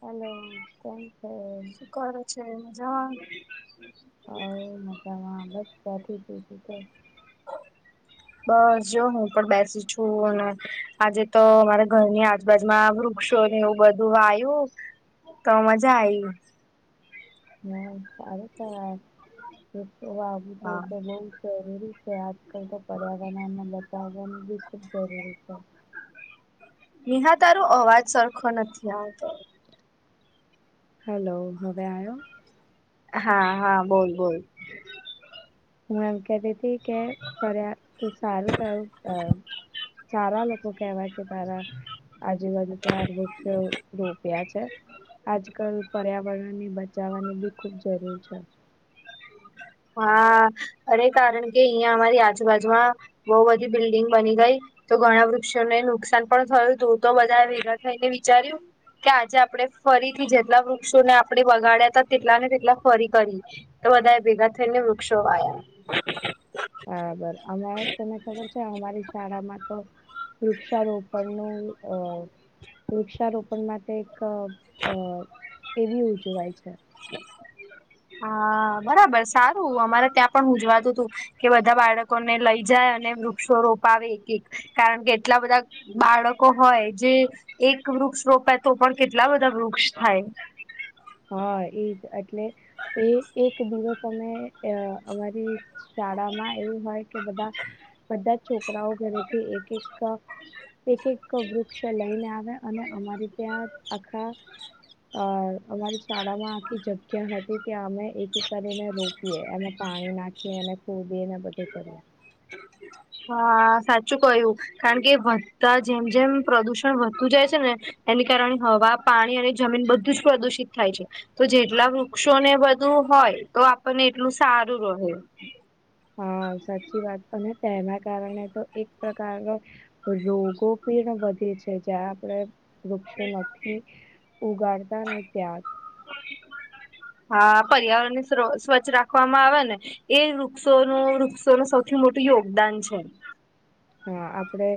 Hello કેમ છે? સુ કરે છે મજામાં? હ મજા બસ બેઠી હતી તું કેહ બસ જો હું પણ બેસી છું અને આજે તો અમારા ઘરની આજુ બાજુમાં વૃક્ષો એવું બધું વાયું તો મજા આઈ હમ્મ, સારુ કેવાય વૃક્ષ વાવું હા તો બઉ જરૂરી છે આજ કેમ કે પર્યાવરણ ને બચાઉ પણ ખૂબ જરૂરી છે. નિહા તારો અવાજ સરખો નથી આવતો હલો હવે આવ્યો હા હા બોલ બોલ હું એમ કેતીતી કે ફર્યા તો સારું થયું અ ચારા લોકો કેવાય કે તારા આજુબાજુ ત્યાર વૃક્ષો રોપ્યા છે. આજકાલ પર્યાવરણની બચાવવાની બી ખૂબ જરૂર છે. હા અરે કારણ કે અહિયાં અમારી આજુબાજુમાં બહું બધી બિલ્ડિંગ બની ગઈ તો ઘણા વૃક્ષોને નુકસાન પણ થયું તું તો બધાએ ભેગા થઈને વિચાર્યું કે આજે આપણે ફરીથી જેટલા વૃક્ષોને આપડે વગાડ્યા હતા તેટલા ને તેટલા ફરી કરી. તો વધારે ભેગા થઈને વૃક્ષો વાયા. બરાબર અમારે તને ખબર છે, અમારી શાળામાં તો વૃક્ષારોપણ નું અ વૃક્ષારોપણ માટે ક અ કેટલું ઉજવાય છે. હા બરાબર સારું અમારે ત્યાં પણ ઉજવાતું તું. કે બધા બાળકોને લઈ જાય અને વૃક્ષો રોપાવે એક એક કારણ કે એટલા બધા બાળકો હોય જે એક વૃક્ષ રોપાય પણ કેટલા બધા વૃક્ષ થાય. હા એજ એટલે એ એક દિવસ અમે અ અમારી શાળામાં એવું હોય કે બધા બધા છોકરાઓ ઘરેથી એક એક અ એક એક વૃક્ષ લઈને આવે. અને અમારે ત્યાં આખા અ અમારી શાળામાં આખી જગ્યા હતી. ત્યાં અમે એક કરીને રોપીએ એમાં પાણી નાખીએ એને ખૂ બે એના બધું કરીએ. હા સાચું કહ્યું, કારણ કે વધતા જેમ જેમ પ્રદુષણ વધતુ જાય છે ને એને કારણે હવા, પાણી અને જમીન બધું જ પ્રદુષિત થાય છે. તો જેટલા વૃક્ષોને બધું હોય. તો આપણને એટલું સારું રહે. હા સાચી વાત અને તેના કારણે તો એક પ્રકારનો રોગો પેણ વધે છે. જ્યાં આપણે વૃક્ષો નથી ઉગાડતા અને ત્યાં હા પર્યાવરણ ને શ્ર સ્વચ્છ રાખવામાં આવે ને એ વૃક્ષો નું વૃક્ષોનું સૌથી મોટું યોગદાન છે. હા આપડે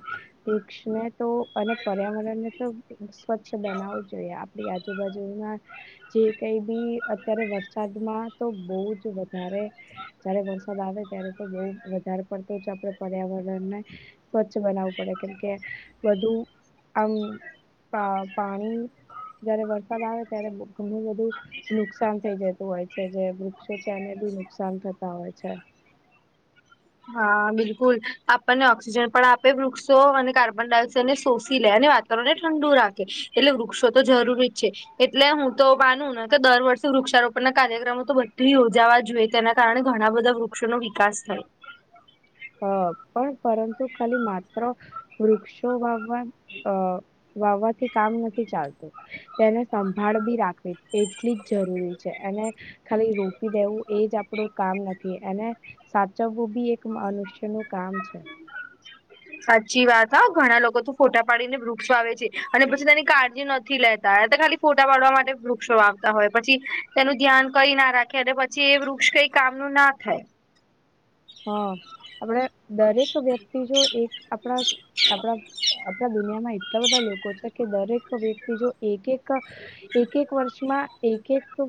વૃક્ષને તો અને પર્યાવરણને તો સ્વચ્છ બનાવું તે આપડી આજુબાજુના જે કઈ બી અત્યારે વરસાદમાં તો બહુ જ વધારે જયારે વરસાદ આવે ત્યારે તો બહુ વધારે પડતો જ આપડે પર્યાવરણ ને સ્વચ્છ બનાવવું પડે, કેમકે વધુ આમ આ પાણી જયારે વરસાદ આવે ત્યારે ઘણું બધું નુકસાન થઇ જતું હોય છે. જે વૃક્ષો છે એને બી નુકસાન થતા હોય છે. હા બિલકુલ આપણને ઓક્સિજન પણ આપે વૃક્ષો અને કાર્બન ડાયોક્સાઇડને શોષી લે. અને વાત [unintelligible] ને ઠંડુ રાખે એટલે વૃક્ષો તો જરૂરી જ છે. એટલે હું તો માનું ને કે દર વર્ષે વૃક્ષારોપણ ના કાર્યક્રમો તો બધી યોજાવા જોઈએ. તેના કારણે ઘણા બધા વૃક્ષો નો વિકાસ થાય. હ પણ પરંતુ ખાલી, માત્ર વૃક્ષો વાવવા અ વાવવાથી કામ નથી ચાલતું. તેને સંભાળ બી રાખવી એટલી જ જરૂરી છે. એને ખાલી રોપી દેવું, એજ આપડું કામ નથી. એને સાચવવું બી એક માનુષ છે નું કામ છે. સાચી વાત હા ઘણા લોકો તો ફોટા પાડીને વૃક્ષો વાવે છે. અને પછી તેની કાળજી નથી લેતા એ તો ખાલી ફોટા પાડવા માટે વૃક્ષો વાવતા હોય, પછી તેનું ધ્યાન કઈ ના રાખે. અને પછી એ વૃક્ષ કઈ, કામનું ના થાય. હા આપણે દરેક વ્યક્તિ જો એક, આપણા આપણા આપડા દુનિયામા એ એટલા બધા લોકો છે. કે દરેક વ્યક્તિ જો એક એક એક એક વર્ષમાં એક એક,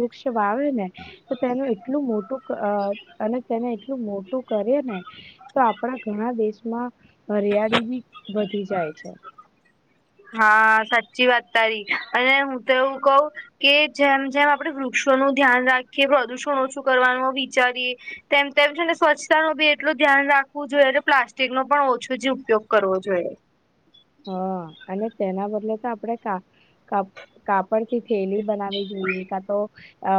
વૃક્ષ વાવે ને તો તેનું એટલું મોટું અને, અને એટલું મોટું કરે ને. તો આપણા ઘણા દેશમાં હરિયાળી બી વધી જાય છે. હા સાચી વાત તારી અને હું તો એવું કઉ. કે જેમ જેમ આપડે વૃક્ષોનું ધ્યાન રાખીએ પ્રદુષણ ઓછું કરવાનું વિચારીએ. તેમ તેમ છે ને સ્વચ્છતાનું બી એટલું ધ્યાન રાખવું જોઈએ. અને પ્લાસ્ટિક નો પણ ઓછો જ ઉપયોગ કરવો જોઈએ. હા અને તેના બદલે તો આપણે કા કા કાપડથી થેલી બનાવી જોઈએ. કા તો અ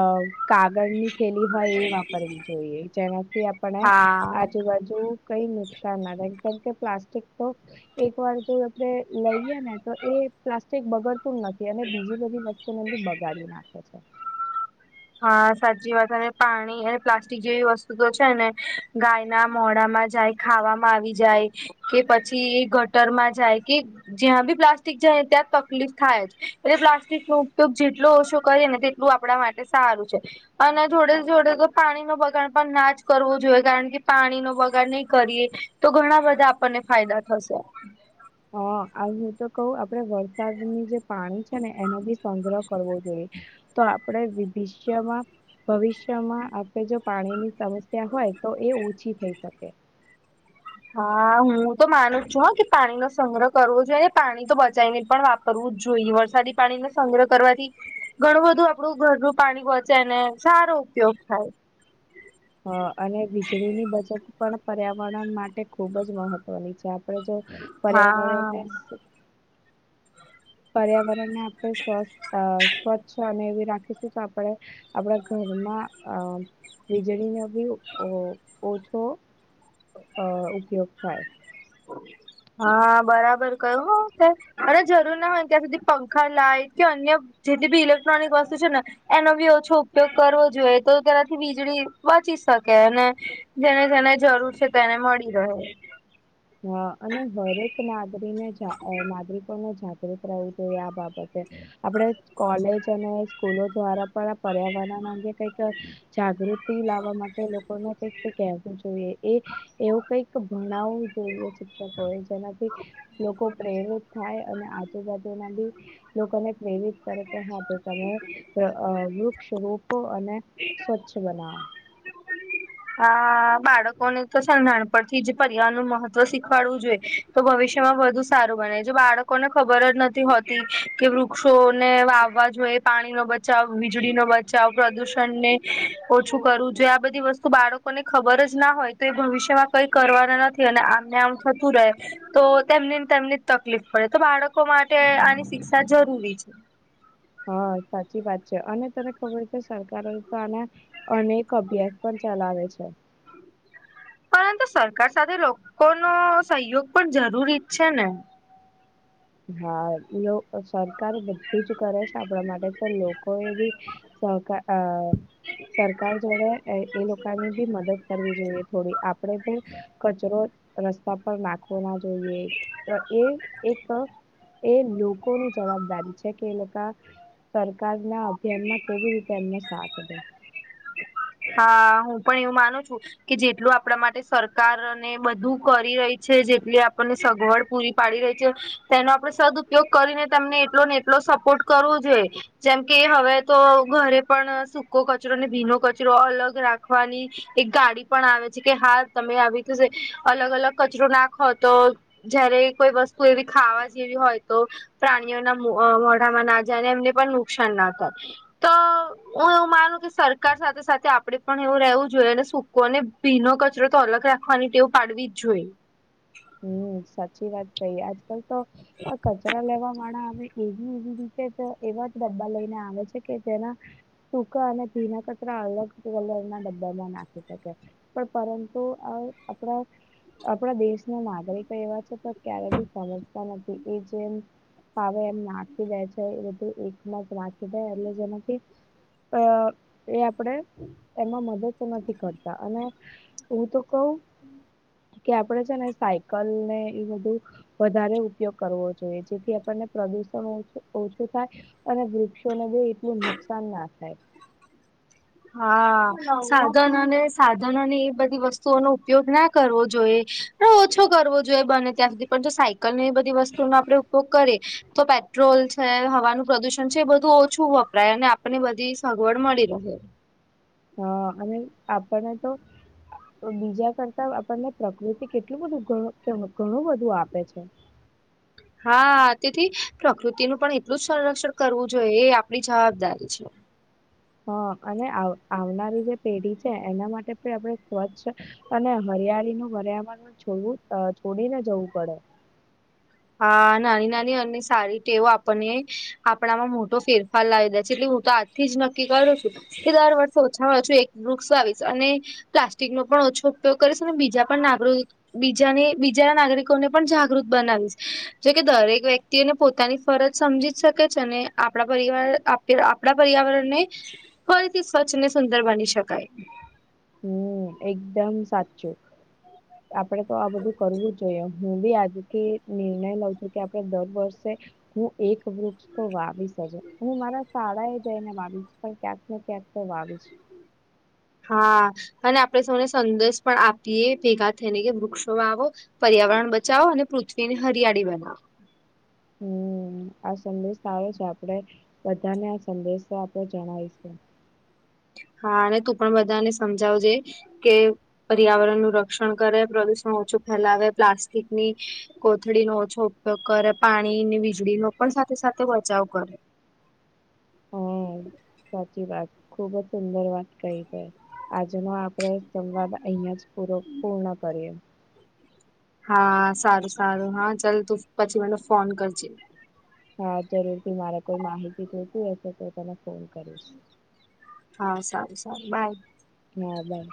કાગળની થેલી હોય એ વાપરવી જોઈએ. જેનાથી આપણે હા આજુબાજુ, કઈ નુકસાન ના થાય, કારમ કે પ્લાસ્ટિક તો એક વાર જો. આપ લઈયએ ને તો એ પ્લાસ્ટિક બગડતું નથી. અને બીજી બધી વસ્તુ ને અંદુ બગાડી નાખે છે. [inaudible] હા સાચી વાત અને અને પ્લાસ્ટિક જેવી વસ્તુઓ છે. ને ગાય ના મોડામાં જાય. ખાવામાં આવી જાય. કે પછી એ ગટર માં જાય. કે જ્યાં બી પ્લાસ્ટિક જાય, ત્યાં તકલીફ થાય જ, એટલે પ્લાસ્ટિક નો ઉપયોગ જેટલો ઓછો કરે ને તેટલું આપણા માટે સારું છે. અને જોડે જોડે તો પાણીનો બગાડ પણ ના જ કરવો જુએ કારણ કે પાણીનો બગાડ ની કરીએ, તો ઘણા બધા આપણને ફાયદા થશે. હ, આ હું તો કવ આપળે વરસાદની જે, પાણી છે ને એનું બી સંગ્રહ કરવો જોઈએ, તો આપળે વિભિષ્યમાં, ભવિષ્યમાં આપળે જે પાણીની સમસ્યા હોય તો એ ઓછી થઈ શકે. હા, હું તો માનું જ છું હ કે પાણી નો સંગ્રહ કરવો જોઈએ પાણી તો બચાય ને પણ વાપ કરવું જ જોઈએ, વરસાદી પાણીન સંગ્રહ કરવાથી, ઘણું બધું આપળુ ઘરનું પાણી બચેને સારો ઉપયોગ થાય. હ, અને વીજળી ની બચત, પણ પર્યાવરણ માટે ખુબ જ મહત્વની છે આપળે જો પર્યાવરણને, હા સ- પર્યાવરણને આપળે સ્વસ્તઃ અ સ્વચ્છ ને એવી રાખીશું તો આપળે આપળા ઘરમાં અ વીજળી નો બી ઓ ઓછો અ ઉપયોગ થાય. [inaudible] હા, બરાબર કયું હો તે અને જરૂર ના હોય ત્યાં સુધી પંખા, લાઈટ કે અન્ય, જેટલી બી ઇલેક્ટ્રોનિક વસ્તુ છે ને, એનો બી ઓછો ઉપયોગ કરવો જોઈએ તો તેનાથી વીજળી બચી શકે, અને, જેને જેને જરૂર છે તેને મળી રહે. હ, અને હરેક નાગરીને જા અ નાગરિકોને જા ગ્રુત રેવું જોઈએ આ બાબતે, આપળે કોલેજ અને સ્કૂલો દ્વારા પણ આ પર્યાવરણ અંગે કઈક, જાગૃતિ લાવવા માટે લોકોને કઈક કેવું જોઈએ. એ એવું કઈક ભણાવું જોઈએ શિક્ષકોએ જેનાથી. લોકો પ્રેરિત થાય અને આજુબાજુનાં બી, લોકોને પ્રેરિત કરકે હા તો તમે ત અ વૃક્ષ રોપો અને, સ્વચ્છ બનાવ. હા, બાળકોને તો સે નાન પનથી જ પરિવાર નું મહત્વ શીખવાડવું જોઈએ તો ભવિષ્યમાં વધુ સારું બને, જો બાળક કોને ખબર જ નથી હોતી કે, વૃક્ષોને વાવવા જોઈએ, પાણી નો બચાવ, વીજળી નો બચાવ, પ્રદુષણને ઓછું કરવું જોઈએ આ બધી વસ્તુ તો બાળકોને ખબર જ ના હોય તો એ ભવિષ્યમાં કઈ કરવાના નથી અને આમને આમ થતું રહે. તો તેમની તેમને જ તકલીફ પડે, તો બાળકો માટે આની શિક્ષા જરૂરી છે. હા સાચી વાત છે, અને તને ખબર કે સરકારે તો આના, અનેક અભ્યાસ પણ ચલાવે છે. પરંતુ સરકાર સાથે લોકોનો સહયોગ પણ જરૂરી જ છે ને. હા ઈઓ અ સરકાર બધું જ કરે છે આપળા માટે તો લોકો એ બી, સહકાર અ સરકાર જોડે એ લોકોની બી મદદ કરવી જોઈએ થોડી આપળે પણ, કચરો રસ્તા પર નાખવો ના જોઈએ, અ એ એક, એ લોકોની જવાબદારી છે કે એ લોકા, સરકાર ના અભિયાન માં કેવી રીતે એમનો સાથ દે. હા, હું પણ એવું માનું છું, કે જેટલું આપળા માટે સરકાર ને બધું કરી રઈ છે, જેટલી આપને સગવડ પૂરી, પાડી રઈ છે, તેનો આપળે સદ ઉપપયોગ કરીને તમને એટલો ને એટલો સપોર્ટ કરવો જોઈએ. જેમ કે હવે તો ઘરે પણ સૂકો કચરો ને ભીનો કચરો અલગ રાખવાની, એક ગાડી પણ આવે છે કે હા તમે આવી તે જે અલગ અલગ કચરો નાખો તો, જયારે કોઈ વસ્તુ એવી હોય તો પ્રાણીઓના મોઢામાં ના જાય અને એમને પણ નુકસાન ના થાય. તો હું એવું માનું કે સરકાર સાથે સાથે આપણે પણ એવું રહેવું જોઈએ અને સૂકો અને ભીનો કચરો તો અલગ રાખવાની ટેવું પાડવી જ જોઈએ. હમ સાચી વાત કઈ આજ કલ તો આ કચરા લેવા માળ આવે. એવી એવી રીતે એવા ડબ્બા લઈને આવે છે કે તેના સૂકા અને ભીના કચરા અલગ કલર ના ડબ્બામાં નાખી શકે. પણ પરંતુ આ આપણા આપણા દેશ નાગરિકો એવા છે તો ક્યારે બી સમજતા નથી એ જેમ ફાવે એમ નાખી દે છે એ બધું એકમાં જ નાખી દે એટલે જેનાથી અ એ આપણેે એમાં મદદ તો નથી કરતા અને હું તો કહું. હમ્મ. કે આપડે છે ને સાયકલ ને એ બધું વધારે ઉપયોગ કરવો જોઈએ જેથી આપણને પ્રદુષણ ઓછું થાય. અને વૃક્ષોને જો એટલું નુકસાન ના થાય. હા સાધન અને સાધન અને એ બધી વસ્તુઓનો ઉપયોગ ના કરવો જોઈએ. આપ ઓછો કરવો જોઈએ બને ત્યાં સુધી પણ જો સાયકલ એ બધી વસ્તુનો આપણેે ઉપયોગ કરીએ. તો પેટ્રોલ છે હવાનું પ્રદુષણ છે એ બધું ઓછું વપરાય અને આપણને બધી સગવડ મળી રહે. હા અને આપને તો તો બીજા કરતા આપણને પ્રકૃતિ કેટલું બધું ઘણું બધું આપે છે. હા તેથી પ્રકૃતિનું પણ એટલું જ સંરક્ષણ કરવું જોઈએ એ આપણી જવાબદારી છે. હા અને આવ આવનારી જે પેઢી છે એના માટે પણ આપણે સ્વચ્છ અને હરિયાળી નું પર્યાવરણ છોડવું છોડીને જવું પડે. હા નાની નાની અને સારી ટેવો આપણને. આપણામાં મોટો ફેરફાર લાવી દે છે એટલે હું તો આજથી જ નક્કી કરું છું. કે દર વર્ષે ઓછામાં ઓછું એક વૃક્ષો આવીશ અને પ્લાસ્ટિકનો પણ ઓછો ઉપયોગ કરીશ ને બીજા પણ બીજાને બીજા નાગરિકોને પણ જાગૃત બનાવીશ જેકે દરેક વ્યક્તિને પોતાની ફરજ સમજી જ શકે છે ને આપણા પરિવાર--આ કે આપણા પર્યાવરણ ને ફરીથી સ્વચ્છ ને સુંદર બની શકાય. હમ્મ એકદમ સાચું તો આ બધું કરવું જ જોઈએ. હું બી આજથી નિર્ણય લઉં છું કે આપડ દર વર્ષે હું એક વૃક્ષ તો વાવીશ. હું મારા શાળા એ જઈ ને વાવીશ પણ ક્યાંક ને ક્યાંક તો વાવીશ. હા અને આપડે સૌને સંદેશ પણ આપીએ ભેગા થઈને કે વૃક્ષો વાવો પર્યાવરણ પચાવો અને પૃથ્વીની હરિયાળી બનાવો. હમ્મ આ સંદેશ તો આવે છે આપડે બધાને આ સંદેશ તો આપણેે જણાવશું. હા અને તું પણ બધાને સમજાવજે કે પર્યાવરણ નું રક્ષણ કરે પ્રદુષણ ઓછું ફેલાવે પ્લાસ્ટિકની કોથળીનો આછો ઉપયોગ કરે પાણીની વીજળીનો પણ સાથે સાથે બચાવ કરે. હમ [inaudible] સાચી વાત ખુબ જ સુંદર વાત કઈ કર આજનો આપણે સંવાદ અહીયાં જ પૂરો પૂર્ણ કરીએ. હા સારું સારું હા ચાલ તું પછી મને ફોન કરજે. હા જરૂર થી મારે કોઈ માહિતી થતું હશે તો તમે ફોન કરો. હા સારું સારું બાય. હા બાયે.